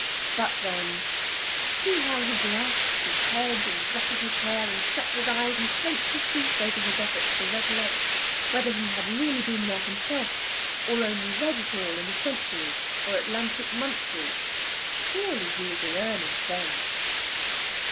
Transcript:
But, then, see how he grasped his head, and ruffled his hair, and shut his eyes, and clenched his teeth over his efforts to recollect whether he had really been there himself, or only read it all in the "Century" or "Atlantic Monthly"! Surely he was in earnest then.